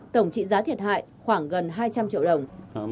tổng trị giá thiệt hại khoảng gần hai trăm linh triệu đồng